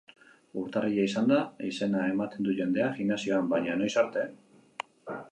Urtarrila izanda izena ematen du jendeak gimnasioan, baina noiz arte?